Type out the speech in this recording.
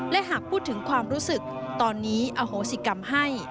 และหากพูดถึงความรู้สึกตอนนี้อโหสิกรรมให้